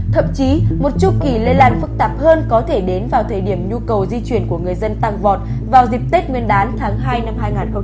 thậm chí một chu kỳ lây lan phức tạp hơn có thể đến vào thời điểm nhu cầu di chuyển của người dân tăng vọt vào dịp tết nguyên đán tháng hai năm hai nghìn hai mươi